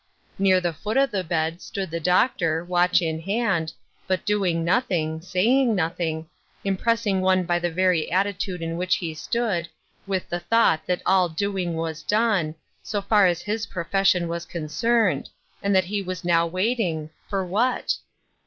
Near the foot of the bed stood the doctor, watch in hand, but doing nothing, saying nothing, impressing one by the very attitude in which he stood, with the thought that all doing was done, so far as his profession was concerned, and that he was now waiting — for what